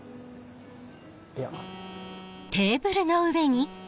いや。